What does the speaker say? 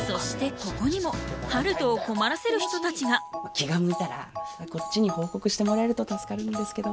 気が向いたらこっちに報告してもらえると助かるんですけど。